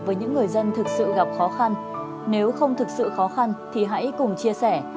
với những người dân thực sự gặp khó khăn nếu không thực sự khó khăn thì hãy cùng chia sẻ